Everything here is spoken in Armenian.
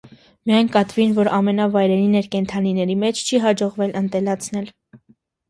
Միայն կատվին, որ ամենավայրին էր կենդանիների մեջ, չի հաջողվել ընտելացնել։